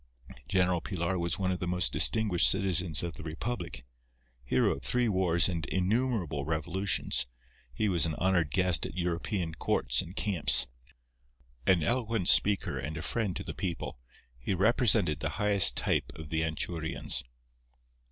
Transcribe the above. General Pilar was one of the most distinguished citizens of the republic. Hero of three wars and innumerable revolutions, he was an honoured guest at European courts and camps. An eloquent speaker and a friend to the people, he represented the highest type of the Anchurians.